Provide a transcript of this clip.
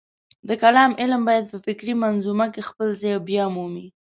د کلام علم باید په فکري منظومه کې خپل ځای بیامومي.